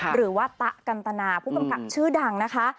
หรือว่าตะกันตนาผู้กำกับชื่อดังนะคะ